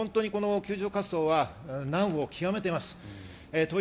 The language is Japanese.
救助活動は難を極めています。